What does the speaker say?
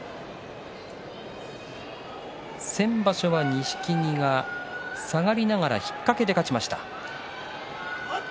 先場所は錦木が下がりながら引っ掛けで勝ちました。